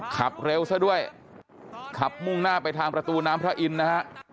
ขับเร็วซะด้วยขับมุ่งหน้าไปทางประตูน้ำพระอินทร์นะฮะ